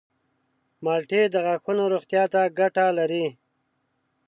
مالټې د غاښونو روغتیا ته ګټه لري.